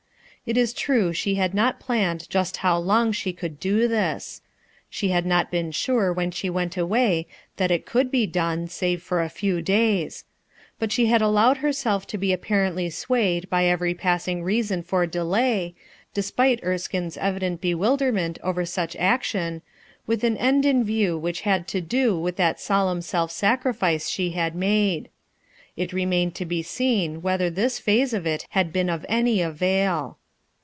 It is true she had not planned just how long she could do this — she had not been sure when she went away that it could be done, save for a few days ; but she liad allowed herself to be apparently swayed by every pass ing reason for delay, despite Erskine's evident A CRISIS 321 bewilderment over such action, with an end b view which had to do with that solemn self* sacrifice she had made. It remained to be seen whether this phase of it had been of any avail.